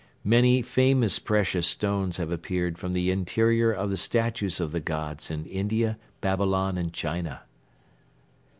Many famous precious stones have appeared from the interior of the statues of the gods in India, Babylon and China."